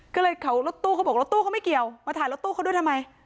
ก็เลยเขารถตู้เขาบอกรถตู้เขาไม่เกี่ยวมาถ่ายรถตู้เขาด้วยทำไม